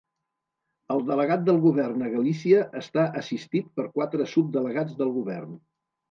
El delegat del Govern a Galícia està assistit per quatre subdelegats del Govern.